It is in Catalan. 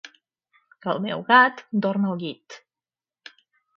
El meu gat dorm al llit.